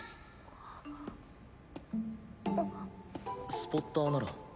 スポッターなら。